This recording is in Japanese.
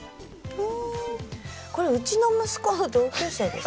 これうちの息子の同級生です。